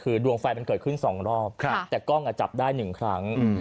คือดวงไฟมันเกิดขึ้นสองรอบค่ะแต่กล้องอ่ะจับได้หนึ่งครั้งอืม